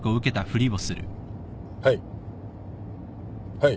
はい。